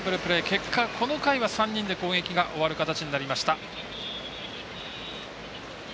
結果、この回は３人で攻撃が終わる形になりました。